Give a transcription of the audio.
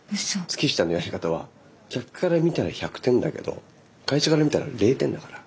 月下のやり方は客から見たら１００点だけど会社から見たら０点だから。